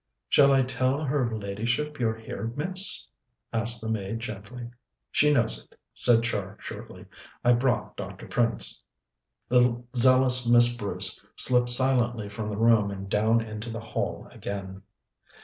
"Shall I tell her ladyship you're here, miss?" asked the maid gently. "She knows it," said Char shortly. "I brought Dr. Prince." The zealous Miss Bruce slipped silently from the room and down into the hall again.